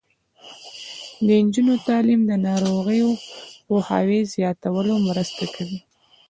د نجونو تعلیم د ناروغیو پوهاوي زیاتولو مرسته کوي.